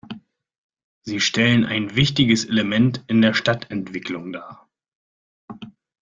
Sie stellen ein wichtiges Element in der Stadtentwicklung dar.